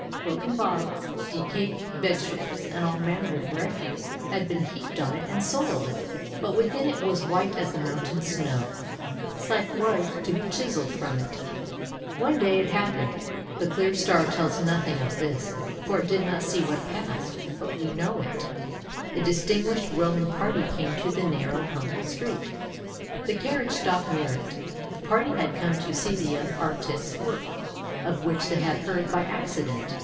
Broken bottles, decayed vegetables, and all manner of refuse, had been heaped on it and soiled it, but within it was white as the mountain snow. Psyche was to be chiselled from it. One day it happened (the clear star tells nothing of this, for it did not see what passed, but we know it), a distinguished Roman party came to the narrow humble street. The carriage stopped near it. The party had come to see the young artist's work, of which they had heard by accident.